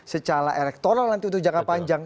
secara elektoral nanti untuk jangka panjang